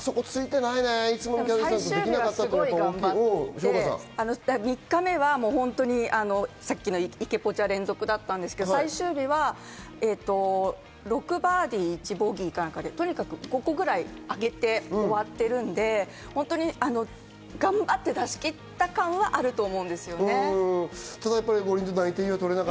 最終日はすごい頑張って、３日目は池ポチャ連続だったんですが、最終日は６バーディー１ボギーかなんかで５個くらい上げて終わってるんで、本当に頑張って出しきった感はあると思うんですよね。